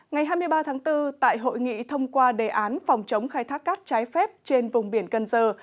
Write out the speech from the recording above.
ngày hai mươi ba tháng bốn tại hội nghị thông qua đề án phòng chống khai thác cát trái phép trên vùng biển cần giờ